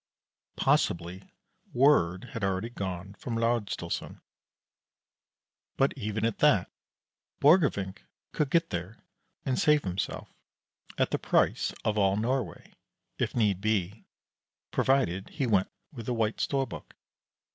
Possibly word had already gone from Laersdalsoren. But even at that, Borgrevinck could get there and save himself, at the price of all Norway, if need be, provided he went with the White Storbuk.